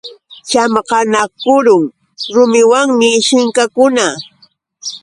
Chamqanakurun rumiwanmi shinkakuna.